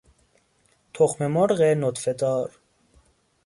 تخم مرغ نطفه دار